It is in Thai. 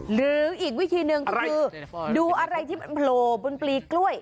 หรืออีกวิธีหนึ่งคือดูอะไรที่มันโผล่บนปลีกล้วย